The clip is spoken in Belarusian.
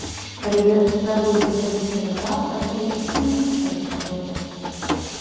Калі вы паспрабуеце зрабіць гэта заўтра, будзе зусім іншая гісторыя.